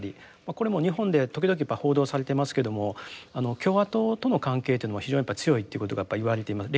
これも日本で時々報道されていますけども共和党との関係というのは非常に強いってことが言われています。